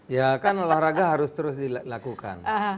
ya kan olahraga harus terus dilakukan